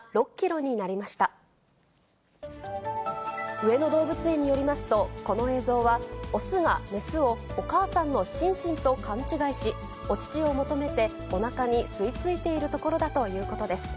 上野動物園によりますと、この映像は、雄が雌をお母さんのシンシンと勘違いし、お乳を求めておなかに吸い付いているところだということです。